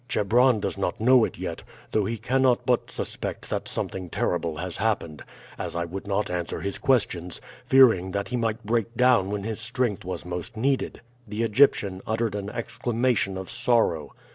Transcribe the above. Chebron does not know it yet, though he cannot but suspect that something terrible has happened, as I would not answer his questions, fearing that he might break down when his strength was most needed." The Egyptian uttered an exclamation of sorrow.